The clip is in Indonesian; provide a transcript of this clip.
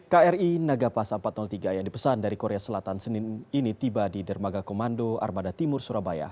kri nagapasa empat ratus tiga yang dipesan dari korea selatan senin ini tiba di dermaga komando armada timur surabaya